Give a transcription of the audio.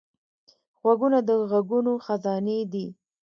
غوږونه د غږونو خزانې دي